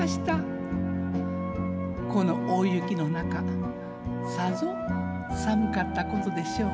この大雪の中さぞ寒かったことでしょう。